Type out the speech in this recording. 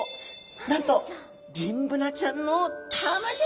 なんとギンブナちゃんのたまギョでございます。